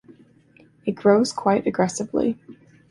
It grows quite aggressively.